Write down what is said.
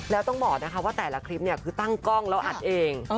แล้วต้องบอกนะคะว่าแต่ละคลิปเนี่ยคือตั้งกล้องแล้วอัดเอง